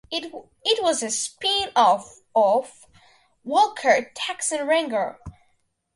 It was a spin-off of "Walker, Texas Ranger".